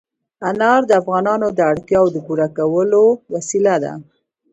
انار د افغانانو د اړتیاوو د پوره کولو وسیله ده.